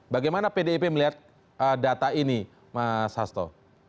bagaimana pdip melihat data ini mas hasto